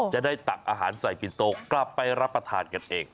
ตักอาหารใส่ปินโตกลับไปรับประทานกันเอง